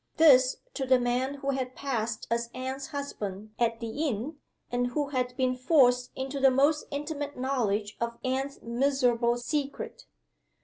This to the man who had passed as Anne's husband at the inn, and who had been forced into the most intimate knowledge of Anne's miserable secret!